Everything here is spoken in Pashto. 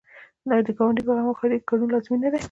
آیا د ګاونډي په غم او ښادۍ کې ګډون لازمي نه دی؟